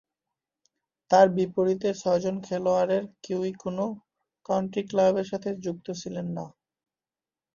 তার বিপরীতে ছয়জন খেলোয়াড়ের কেউই কোন কাউন্টি ক্লাবের সাথে যুক্ত ছিলেন না।